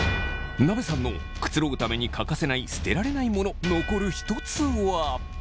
なべさんのくつろぐために欠かせない捨てられないモノ残る１つは。